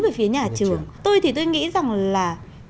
về phía nhà trường tôi thì tôi nghĩ rằng là